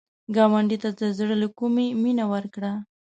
ګاونډي ته د زړه له کومي مینه ورکړه